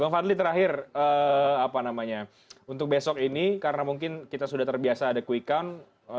bang fadli terakhir apa namanya untuk besok ini karena mungkin kita sudah terbiasa ada quick count